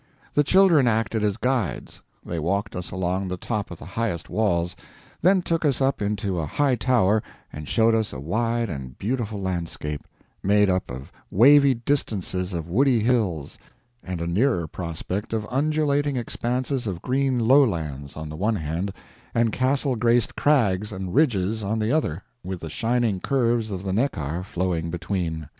The children acted as guides; they walked us along the top of the highest walls, then took us up into a high tower and showed us a wide and beautiful landscape, made up of wavy distances of woody hills, and a nearer prospect of undulating expanses of green lowlands, on the one hand, and castle graced crags and ridges on the other, with the shining curves of the Neckar flowing between.